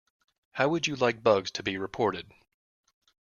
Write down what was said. How would you like bugs to be reported?